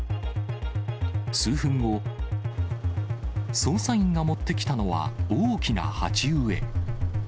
数分後、捜査員が持ってきたのは、大きな鉢植え。